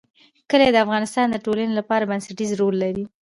کلي د افغانستان د ټولنې لپاره بنسټيز رول لري.